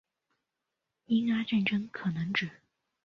英阿战争可能指